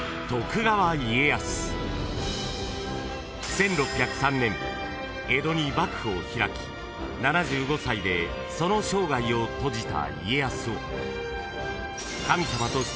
［１６０３年江戸に幕府を開き７５歳でその生涯を閉じた］